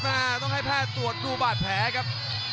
ต้องให้แพทย์ตรวจดูบาดแผลครับ